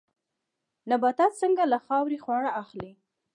نباتات څنګه له خاورې خواړه اخلي؟